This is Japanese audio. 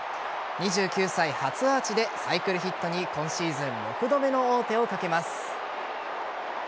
２９歳初アーチでサイクルヒットに今シーズン６度目の王手をかけます。